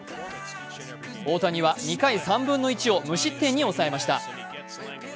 大谷は２回、３分の１を無失点に抑えました。